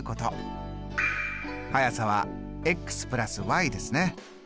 速さは＋ですね。